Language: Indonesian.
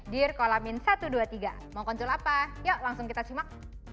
dear kolamin satu ratus dua puluh tiga mau konsul apa yuk langsung kita simak